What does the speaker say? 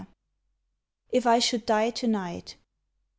IF I SHOULD DIE TO NIGHT.